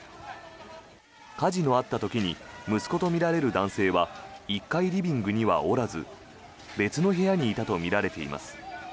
火事のあった時に息子とみられる男性は１階リビングにはおらず別の部屋にいたとみられています。